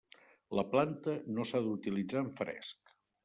La planta no s'ha d'utilitzar en fresc.